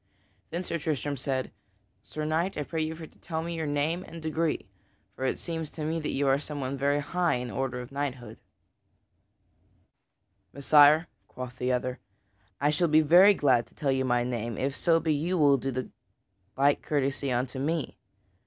Then Sir Tristram said: "Sir Knight, I pray you for to tell me your name and degree, for it seems to me that you are someone very high in order of knighthood." [Sidenote: Sir Lamorack meets Sir Tristam] "Messire," quoth the other, "I shall be very glad to tell you my name if so be you will do the like courtesy unto me.